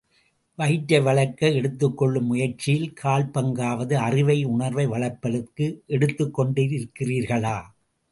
வயிற்றை வளர்க்க எடுத்துக் கொள்ளும் முயற்சியில் கால் பங்காவது அறிவை உணர்வை வளர்ப்பதற்கு எடுத்துக் கொண்டிருக்கிறார்களா?